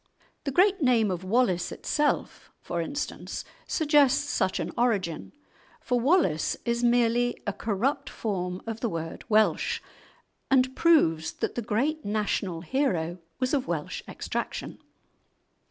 The great name of Wallace itself, for instance, suggests such an origin, for "Wallace" is merely a corrupt form of the word "Welsh," and proves that the great national hero was of Welsh extraction.